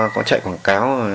có chạy quảng cáo